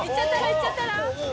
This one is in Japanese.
いっちゃったら？